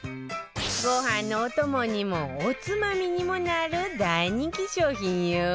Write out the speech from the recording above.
ご飯のお供にもおつまみにもなる大人気商品よ